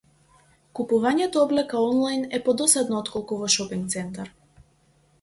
Купувањето облека онлајн е подосадно отколку во шопинг центар.